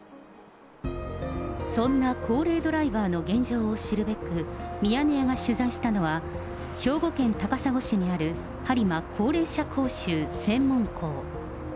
そんな高齢ドライバーの現状を見るべく、ミヤネ屋が取材したのは、兵庫県高砂市にあるはりま高齢者講習専門校。